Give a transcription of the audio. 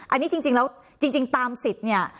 อันนี้จริงแล้วจริงตามสิทธิ์เนี่ย